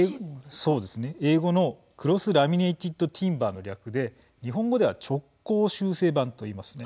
英語のクロス・ラミネイティッド・ティンバーの略で、日本語では「直交集成板」といいますね。